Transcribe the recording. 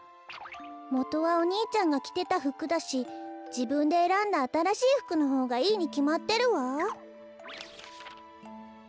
もとはお兄ちゃんがきてたふくだしじぶんでえらんだあたらしいふくのほうがいいにきまってるわ。